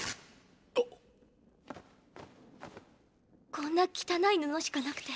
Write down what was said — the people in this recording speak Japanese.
こんな汚い布しかなくて。